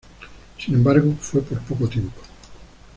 Sin embargo, fue por poco tiempo.